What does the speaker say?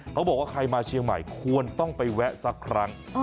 เขาบอกว่าใครมาเชียงใหม่ควรต้องไปแวะสักครั้ง